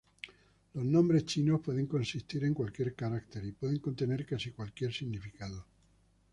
Los nombres chinos pueden consistir en cualquier carácter y pueden contener casi cualquier significado.